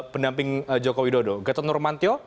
pendamping jokowi dodo gatot nurmantyo